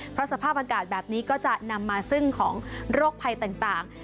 เพราะสภาพอากาศแบบนี้ก็จะนำมาซึ่งของโรคภัยต่าง